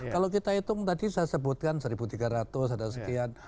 kalau kita hitung tadi saya sebutkan satu tiga ratus ada sekian